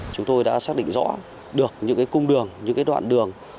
chúng tôi đã xác định rõ được những cung đường những đoạn đường